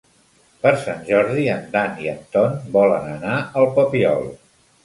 Per Sant Jordi en Dan i en Ton volen anar al Papiol.